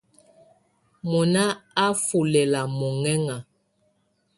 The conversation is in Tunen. Mɔná á nfɔ́ lɛla mɔŋɛŋa.